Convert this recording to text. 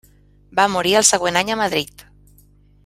Va morir el següent any a Madrid.